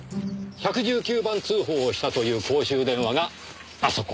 １１９番通報をしたという公衆電話があそこ。